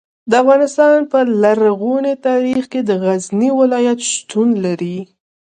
د افغانستان په لرغوني تاریخ کې د غزني ولایت شتون لري.